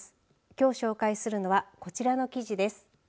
きょう紹介するのはこちらの記事です。